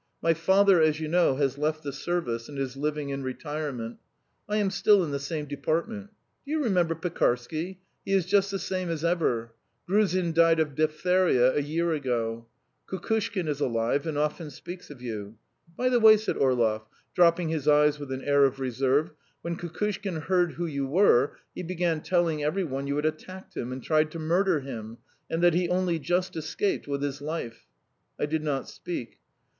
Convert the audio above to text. "My father, as you know, has left the service and is living in retirement; I am still in the same department. Do you remember Pekarsky? He is just the same as ever. Gruzin died of diphtheria a year ago. ... Kukushkin is alive, and often speaks of you. By the way," said Orlov, dropping his eyes with an air of reserve, "when Kukushkin heard who you were, he began telling every one you had attacked him and tried to murder him ... and that he only just escaped with his life." I did not speak.